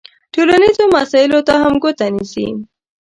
ټولنیزو مسایلو ته هم ګوته نیسي.